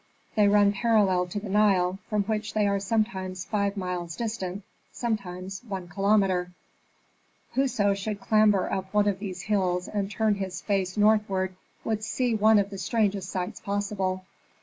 They run parallel to the Nile, from which they are sometimes five miles distant, sometimes one kilometre. Whoso should clamber up one of these hills and turn his face northward would see one of the strangest sights possible.